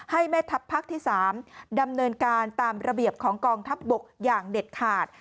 ให้แม่ทัพภาคที่๓ดำเนินการตามระเบียบของกองทัพบกอย่างเด็ดขาด